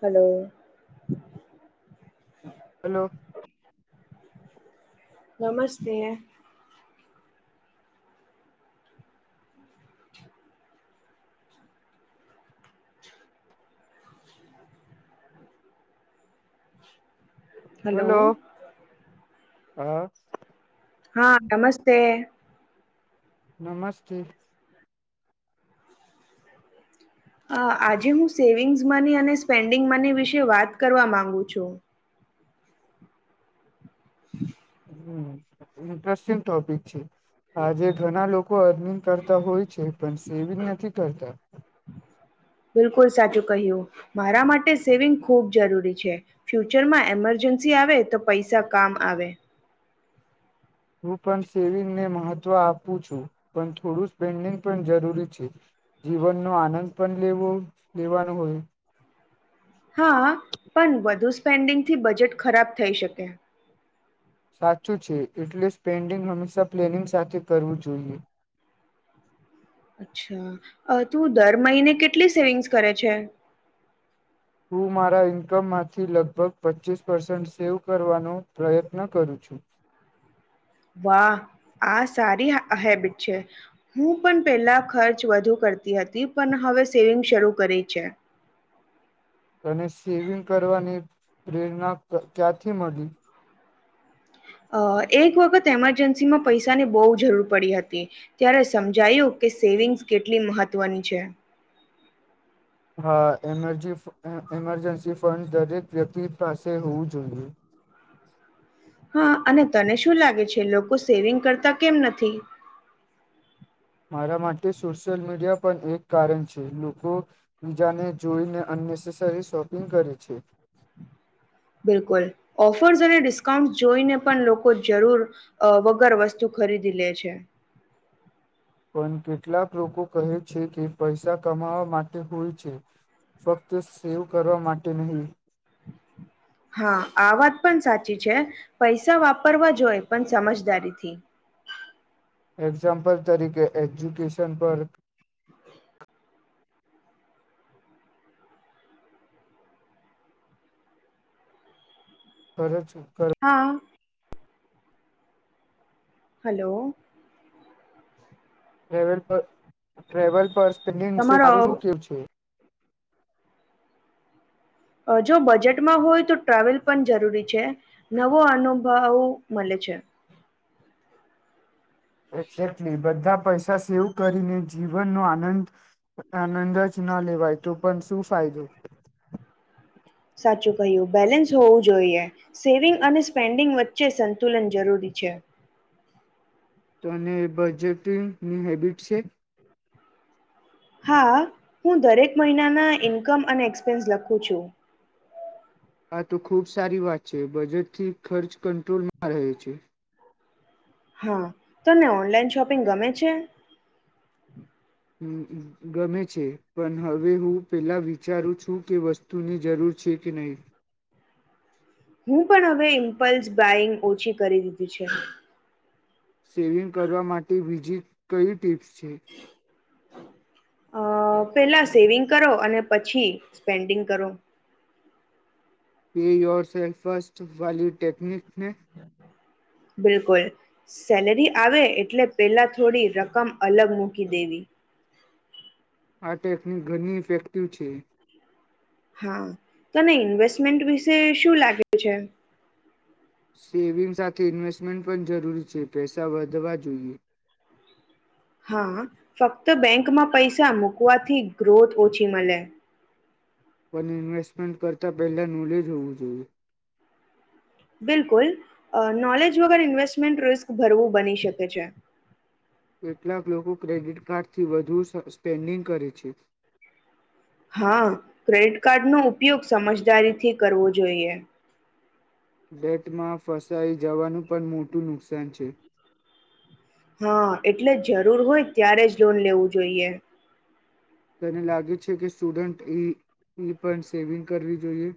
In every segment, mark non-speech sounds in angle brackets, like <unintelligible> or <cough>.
Hello. Hello. નમસ્તે. Hello hello. હા. હા, નમસ્તે. નમસ્થે. હા, આજે હું સેવિંગ્સ મની અને સ્પેન્ડિંગ મની વિશે વાત કરવા માંગુ છું. <unintelligible> હમ, ઈન્ટ્રસ્ટિંગ ટોપિક છે. આજે ઘના લોક અર્નિંગ કરતા હોય છે, પન સ એવુ જ નથી કરતા. બિલકુલ સાચું કહ્યું. મારા માટે સેવિંગ ખૂબ જરૂરી છે. ફ્યુચરમાં એમરજન્સી આવે તો પૈસા કામ આવે. હું પન સેવિંગને મહત તો આપું છું, પન થોડું સ્પેન્ડિંગ પણ જરૂરી છે. જીવનનો આનંદ પન લેવો લેવાનો હોય. હા, પણ વધુ સ પેન્ડિંગથી બજેટ ખરાબ થઈ શકે. સાચું છે, એટલે સ્પેન્ડિંગ હંમેશા પ્લેનિંગ સાથે કરવું જોઈએ. અચ્છા! અ તું દર મહિને કેટલી સેવિંગ્સ કરે છે? હું મારા ઈન્કમમાંથી લગભગ પચ્ચીસ પર્સન્ટ સેવ કરવાનો પ્રયત્ન કરું છું. વાહ! આ સારી આહ આ હેબિટ છે. હું પન પહેલા ખર્ચ વધુ કરતી હતી, પન હવે સેવિંગ શરૂ કરી છે. ને સેવિંગ કરવાની પ્રેરના ક ક્યાંથી મળી? અ એક વખત એમરજન્સીમાં પૈસાની બહુ જરૂર પડી હતી. ત્યારે સમજાયું કે સેવિંગ્સ કેટલી મહત્વની છે. હા, એમરજી ફ એ એમરજન્સી ફંડ દરેક વ્યક્તિ પાસે હોવું જોઈએ. હા, અને તને શું લાગે છે? લોકો સેવિંગ કરતા કેમ નથી? મારા માટે સોશિયલ મીડિયા પન એક કારણ છે. લોકો બીજાને જોઈને અન્ય સીસ તો એ શોપિંગ કર્યું છે. બિલકુલ ઓફર્સ અને ડિસ્કાઉન્ટ જોઈને પણ લોકો જરૂર અ વગર વસ્તુ ખરીદી લે છે. પન કેટલાક લોકો કહે છે કે પૈસા કમાવા માટે હોય છે. ફક્ત સેવ કરવા માટે નહી. હા, આ વાત પણ સાચી છે. પૈસા વાપરવા જોય પન સમજદારીથી. એક્ઝામ્પલ તરીકે એજ્યુકેશન પર તર છે. હા. હલો. ટ્રવેલ પર ટ્રવેલ પર્સ ફેન્ડિંગ વિશે તમારો તારું શું કેવું છે? અ જો બજેટમાં હોય તો ટ્રાવેલ પન જરૂરી છે. નવો અનુભવ મલે છે. એક્ઝેક્ટલી બધા પૈસા સેવ કરીને જીવનનો આનંદ આનંદ જ ના લેવાય તો પણ શું ફાયદો. સાચું કહ્યું બેલેન્સ હોવું જોઈએ સેવિંગ અને સ્પેન્ડિંગ વચ્ચે સંતુલન જરૂરી છે. તોને એ બજેટંગની હેબિટ છે હા હું દરેક મહિનાના ઇન્કમ અને એક્સપેન્સ લખું છું આ તો ખૂબ સારી વાત છે બજેટથી ખર્ચ કંટ્રોલમાં રહે છે હા તને ઓનલાઈન શોપિંગ ગમે છે ગમે છે પણ હવે હું પેલા વિચારું છું કે વસ્તુની જરૂર છે કે નહી હું પણ હવે ઇમ્પલ્સ બાઈંગ ઓછી કરી દીધી છે સેવિંગ કરવા માટે બીજી કઈ ટિપ્સ છે. અ પેલા સેવિંગ કરો અને પછી સ્પેન્ડિંગ કરો પી યયોર સે ફર્સ્ટ વિ ટેકનિકને બિલકુલ સેલરી આવે એટલે પેલા થોડી રકમ અલગ મૂકી દેવી.. આ ટેકની ઘણી ઇફેક્ટિવ છે હા તને ઇન્વેસ્ટમેન્ટ વિશે શું લાગે છે. સેવિંગ સાથે ઇન્વેસ્ટમેન્ટ પણ જરૂરી છે પૈસા વધવા જોઈએ. હા ફક્ત બેન્કમાં પૈસા મૂકવાથી ગ્રોથ ઓછી મળે પણ ઇન્વેસ્ટમેન્ટ કરતાં પહેલા નોલેજ હોવું જોઈએ બિલકુલ અ નોલેજ વગર ઇન્વેસ્ટમેન્ટ રિસ્ક ભરવું બની શકે છે. કેટલાક લોકો ક્રેડિટ કાર્ડથી વધુ સ્પેન્ડિંગ કરે છે હા ક્રેડિટ કાર્ડનો ઉપયોગ સમજદારીથી કરવો જોઈએ. ડેટમાં ફસાઈ જવાનું પણ મોટું નુકસાન છે હા એટલે જરૂર હોય ત્યારે જ લોન લેવું જોઈએ તેને લાગે છે કે સ્ટુડન્ટ ઈ ઈપણ સેવિંગ કરવી જોઈએ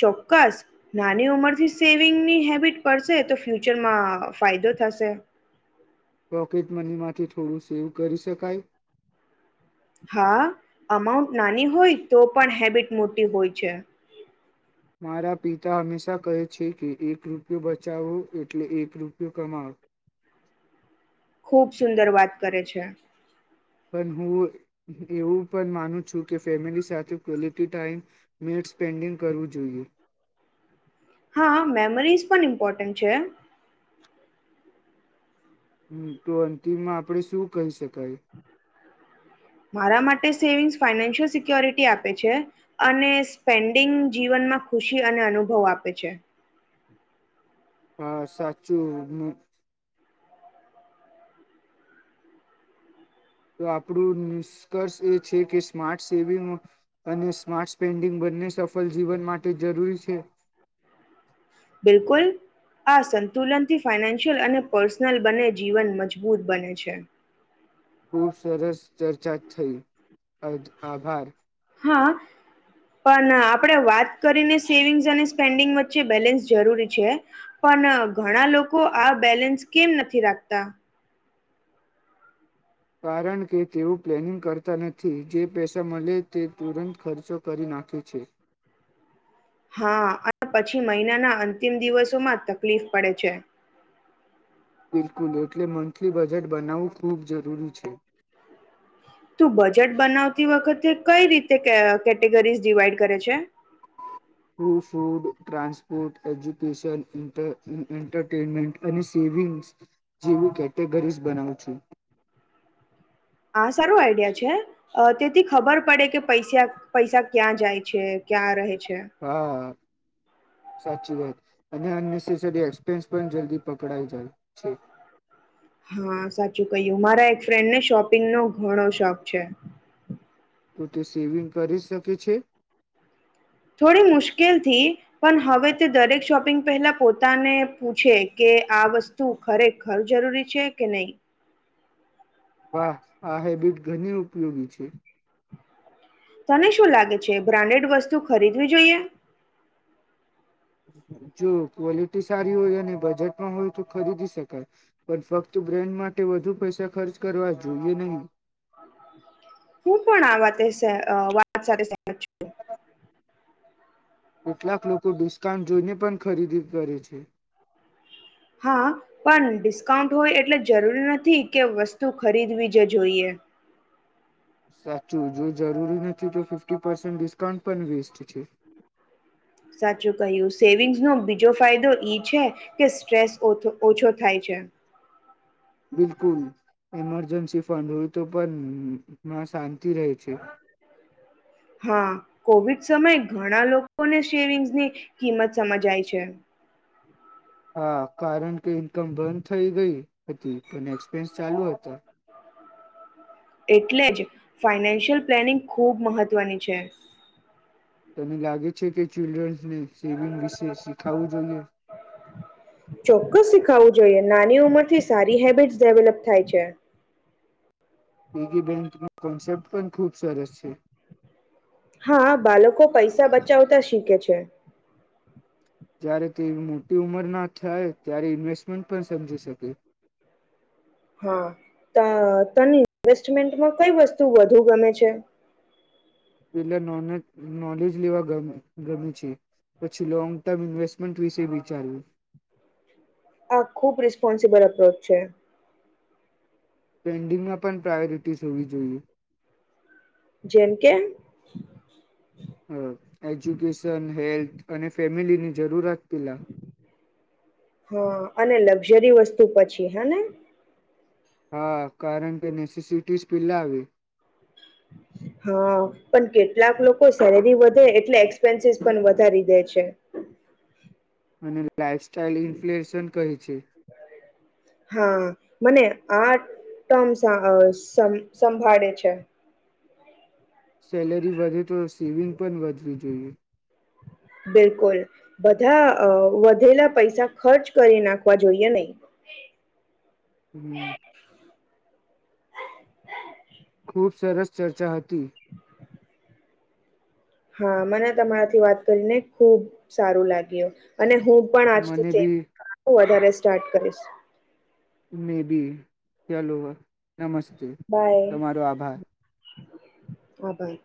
ચોક્કસ નાની ઉંમરથી સેવિંગની હેબિટ પડશે તો ફ્યુચરમાં અ ફાયદો થશે. પોકેટ મની માંથી થોડું સેવ કરી શકાય હા અમાઉન્ટ નાની હોય તો પણ હેબિટ મોટી હોય છે મારા પિતા હંમેશાં કહે છે કે એક રૂપિયો બચાવો એટલે એક રૂપિયો કમાવો ખૂબ સુંદર વાત કરે છે. પણ હું એવું પણ માનું છું કે ફેમિલી સાથે ક્વલટી ટાઈમ મેટ સ્પેન્ડિંગ કરવું જોઈએ. હા મેમરીઝ પણ ઇમ્પોર્ટન્ટ છે. હમ તો અંતિમમાં આપડે શું કહી શકીએ <unintelligible> મારા માટે સેવિંગ્સ ફાઈનાન્શિયલ સિક્યોરિટી આપે છે અને સ્પેન્ડિંગ જીવનમાં ખુશી અને અનુભવ આપે છે હા સાચું હું તો આપડું કર્સ એ છે કે સ્માર્ટ... સેવિંગ અને સ્માર્ટ... પેન્ડિંગ બંને સફળ જીવન માટે જરૂરી છે બિલકુલ આ સંતુલનથી ફાઈનાન્શિયલ અને પર્સનલ બંને જીવન મજબૂત બને છે ખુબ સરસ ચર્ચા થઈ અદ આભાર હા પણ આપણે વાત કરીને સેવિંગ્સ અને સ્પેન્ડિંગ વચ્ચે બેલેન્સ જરૂરી છે પણ ઘણા લોકો આ બેલેન્સ કેમ નથી રાખતા કારણ કે તેઓ પ્લેનિંગ કરતા નથી, જે પેસા મલે તે તુરંત ખર્ચો કરી નાખે છે. હા, અને પછી મહિનાના અંતિમ દિવસોમાં તકલીફ પડે છે. બિલકુલ, એટલે મંથલી બજેટ બનાવવું ખૂબ જરૂરી છે. તુ બજેટ બનાવતી વખતે કઈ રીતે ક, કેટેગરીઝ ડિવાઈડ કરે છે? ટુ ફૂડ ટ્રસ ફુટ, એજ્યુકેશન, ઇન્ટર, એન્ટરટેનમેન્ટ અને સેવિંગ્સ જેવી કેટેગરીઝ બનાવું છું. આ સારો આઈડિયા છે! અ તેથી ખબર પડે કે પૈસ્યા, પૈસા ક્યાં જાય છે?, ક્યાં રહે છે? હા. સાચી વાત, અને અનનેસેસરી એક્સપેન્સ પણ જલ્દી પકડાઈ જાય છે. હા, સાચું કહ્યું મારા એક ફ્રેન્ડને શોપિંગ નો ઘણો શોખ છે. તો તે સેવિંગ કરી સકે છે? થોડી મુશ્કેલથી, પણ હવે તે દરેક શોપિંગ પહેલા પોતાને પૂછે, કે આ વસ્તુ ખરેખર જરૂરી છે કે નહીં? હા, આ હેબિટ ઘની ઉપયોગી છે. તને શું લાગે છે, બ્રાન્ડેડ વસ્તુ ખરીદવી જોઈએ? જો ક્વોલિટી સારી હોય અને બજેટમાં હોય તો ખરીદી શકાય, પણ ફક્ત બ્રેન્ડ માટે વધુ પૈસા ખર્ચ કરવા જોઈએ નહી. હું પણ આ વાતે સહ, વાત સાથે સહમત છું. કેટલાક લોકો ડિસ્કાઉન્ટ જોઈને પણ ખરીદી કરે છે. હા, પણ ડિસ્કાઉન્ટ હોય એટલે જરૂરી નથી, કે વસ્તુ ખરીદવી જ જોઈએ. સાચું. જો જરૂરી નથી, તો ફિફ્ટી પર્સેન્ટ ડિસ્કાઉન્ટ પણ વેસ્ટ છે! સાચું કહ્યું, સેવિંગ્સનો બીજો ફાયદો ઈ છે, કે સ્ટ્રેસ ઓછ, ઓછો થાય છે. બિલકુલ ઈમરજન્સી ફંડ હોય, તો પણ મ શાંતિ રહે છે. હા, કોવિડ સમયે ઘણા લોકોને શેવિંગ્સ ની કિંમત સમજાય છે! હા, કારણ કે ઇન્કમ બંધ થઈ ગઈ હતી, પણ એક્સપેન્સ ચાલુ હતા. એટલે જ, ફાઈનાન્શિયલ પ્લેનિંગ ખૂબ મહત્ત્વની છે. તને લાગે છે કે ચિલ્ડ્રન્સને સેવિંગ વિશે સીખાવું જોઈએ? ખાવું જોઈએ નાની ઉંમરથી સારી હેબિટસ ડેવલપ થાય છે. પીગી બેન્કનો કોન્સેપ્ટ પણ ખૂબ સરસ છે હા, બાલકો પૈસા બચાવતા શીખે છે. જ્યારે તે મોટી ઉંમર ના થાય ત્યારે ઇન્વેસ્ટમેન્ટ પણ સમજી શકે હા, ત, તને ઇન્વેસ્ટમેન્ટમાં કઈ વસ્તુ વધુ ગમે છે? પેલા નોલેજ, નોલેજ લેવા ગમે, ગમે છે પછી લોંગ ટર્મ ઇન્વેસ્ટમેન્ટ વિશે વિચાર્યું. આ ખૂબ રિસ્પોન્સિબલ અપ્રોચ છે. પેન્ડિંગમાં પણ પ્રાયોરિટીસ હોવી જોઈએ. જેમ કે? હ એજ્યુકેસન, હેલ્થ અને ફેમિલીની જરૂરત. પેલા હા, અને લગ જરી વસ્તુ પછી, હે ને? હા, કારણ કે નેસીસિટીસ પેલા આવે. હા, પણ કેટલાક લોકો સેલેરી વધે એટલે એક્સપેન્સીસ પન વધારી દે છે. હમ. લાઈફસ્ટાઈલ ઇલફ્લેશન કહી છે. હા, મને આ ટમ સ, અ, સંભાળે છે. સેલરી વધે તો સેવિંગ પણ વધે. હમ્મ. બિલકુલ બધા વધેલા પૈસા ખર્ચ કરી નાખવા જોઈએ નહી. હમ્મ. ખૂબ સરસ ચર્ચા હતી. હા મને તમારાથી વાત કરીને ખુબ સારું લાગ્યું અને હું પણ મને આજથી બી વધારે સ્ટાર્ટ કરીશ. મે બી <unintelligible> નમસ્તે તમારો આભાર. હા બાઈ.